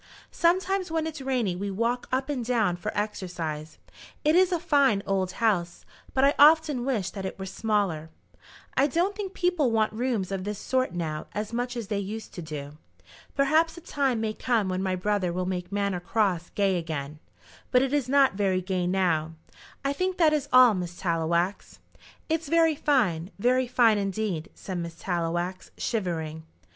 "Sometimes when it's rainy we walk up and down for exercise. It is a fine old house, but I often wish that it were smaller. I don't think people want rooms of this sort now as much as they used to do. Perhaps a time may come when my brother will make Manor Cross gay again, but it is not very gay now. I think that is all, Miss Tallowax." "It's very fine; very fine indeed," said Miss Tallowax, shivering.